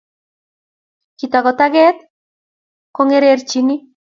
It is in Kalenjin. Kitaku toket kongingerichi